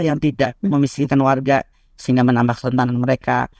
yang tidak memistikan warga sehingga menambah kelentangan mereka